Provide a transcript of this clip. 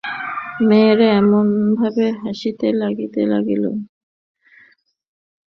মেয়েরা এমনভাবে হাসিতে লাগিল যেন বর ভারি ঠকিয়াছেন।